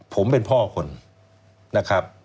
ผมเป็นพ่อคนนะครับ